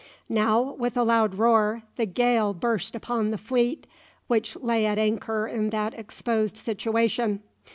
Now, with a loud roar, the gale burst upon the fleet, which lay at anchor in that exposed situation.